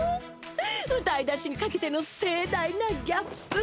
歌い出しにかけての盛大なギャップ。